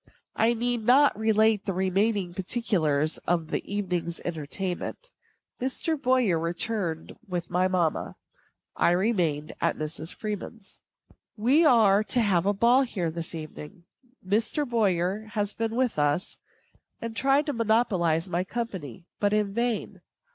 I need not relate the remaining particulars of the evening's entertainment. Mr. Boyer returned with my mamma, and I remained at Mrs. Freeman's. We are to have a ball here this evening. Mr. Boyer has been with us, and tried to monopolize my company; but in vain.